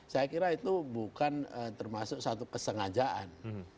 saya kira itu bukan termasuk satu kesengajaan